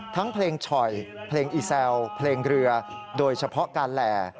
ทั้งเพลงฉ่อยเพลงอีแซวเพลงเรือโดยเฉพาะการแหล่